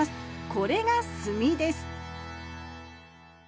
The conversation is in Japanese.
これが炭です